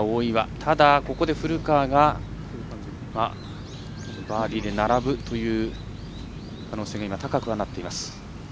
ただ、ここで古川がバーディーで並ぶという可能性が今、高くはなっています。